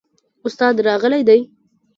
استاد راغلی دی؟